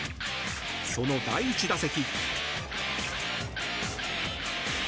その第１打席。